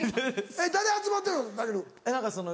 誰集まってんの？